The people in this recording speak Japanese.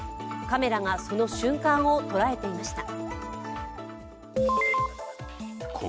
カメラがその瞬間を捉えていました。